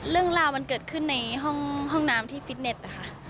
เรื่องราวมันเกิดขึ้นในห้องน้ำที่ฟิตเน็ตนะคะ